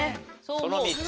その３つ？